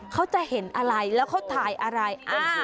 เขาจะเห็นอะไรแล้วเขาถ่ายอะไร